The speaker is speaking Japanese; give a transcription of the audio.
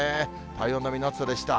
体温並みの暑さでした。